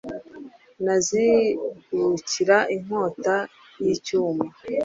nanizibukira inkota y'icyuma